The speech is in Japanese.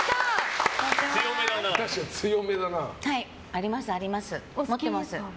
ああ、○！あります、持ってます。